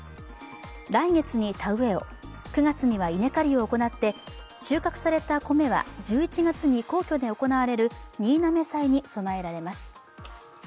来月に田植えを、９月には稲刈りを行って、収穫された米は１１月に皇居で行われる新嘗祭に供えられます。